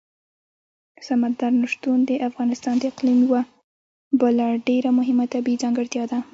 سمندر نه شتون د افغانستان د اقلیم یوه بله ډېره مهمه طبیعي ځانګړتیا ده.